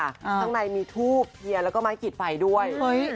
ข้างในนายมีทูปเทียลักษณ์และมันกิดไฟด้วย